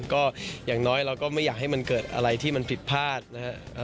ก็อย่างน้อยเราก็ไม่อยากให้มันเกิดอะไรที่มันผิดพลาดนะครับ